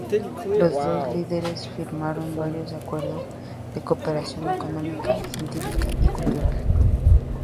Los dos líderes firmaron varios acuerdos de cooperación económica, científica y cultural.